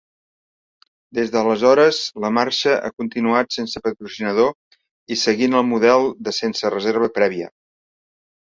Des d'aleshores, la marxa ha continuat sense patrocinador i seguint el model de sense reserva prèvia.